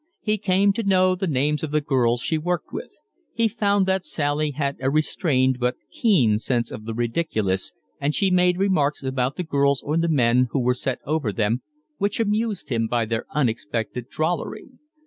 He came to know the names of the girls she worked with. He found that Sally had a restrained, but keen, sense of the ridiculous, and she made remarks about the girls or the men who were set over them which amused him by their unexpected drollery.